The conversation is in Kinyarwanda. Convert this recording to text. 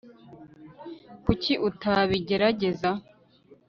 kuki utabigerageza